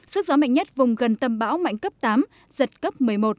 sức gió mạnh nhất vùng gần tâm bão mạnh cấp tám giật cấp một mươi một